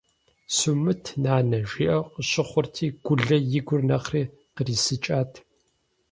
«Сумыт, нанэ!», – жиӀэу къыщыхъурти, Гулэ и гур нэхъри кърисыкӀат.